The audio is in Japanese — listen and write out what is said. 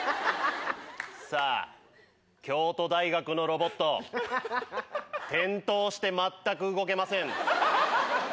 さあ京都大学のロボット転倒してまったく動けません。